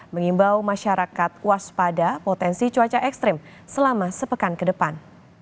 mengimbau masyarakat waspada potensi cuaca ekstrim selama sepekan ke depan